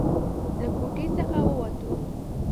له کوټې څخه ووتو.